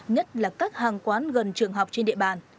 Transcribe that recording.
nhất là các hàng quán gần trường học trên địa bàn